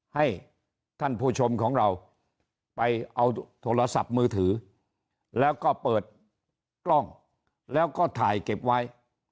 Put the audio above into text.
ให้ท่านผู้ชมของเราไปเอาโทรศัพท์มือถือแล้วก็เปิดกล้องแล้วก็ถ่ายเก็บไว้